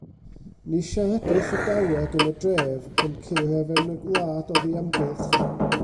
Ni siaredir Llydaweg yn y dref, ond ceir ef yn y wlad oddi amgylch.